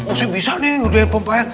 oh saya bisa nih udah yang pompa air